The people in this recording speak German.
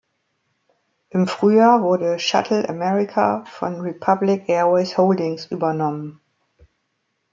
Im Frühjahr wurde Shuttle America von Republic Airways Holdings übernommen.